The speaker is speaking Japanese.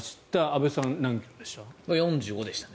安部さん、何キロでした？